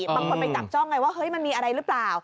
บางคนไปจับจ้องไงว่าเฮ้ยมันมีอะไรหรือเปล่า